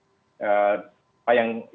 yang pak jokowi